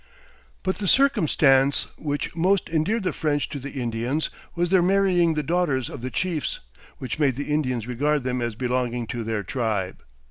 But the circumstance which most endeared the French to the Indians was their marrying the daughters of the chiefs, which made the Indians regard them as belonging to their tribe.